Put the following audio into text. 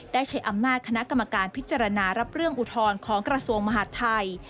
ได้ใช้อำนาจคณะกรรมการพิจารณารับเรื่องอุทธรณ์ของกระทรวงมหาดไทย